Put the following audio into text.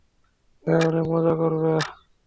হ্যাঁ - অনেক মজা করবে?